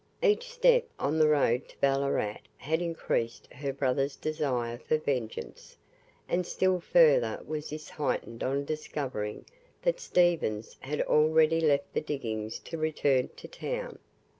Each step on the road to Ballarat had increased her brother's desire for vengeance, and still further was this heightened on discovering that Stephens had already left the diggings to return to town.